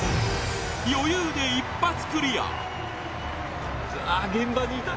余裕で一発クリア！